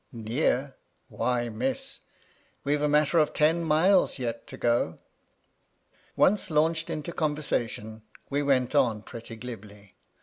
" Near 1 Why, Miss 1 we've a matter of ten mile yet to go." Once launched Into conversation, we went on pretty glibly.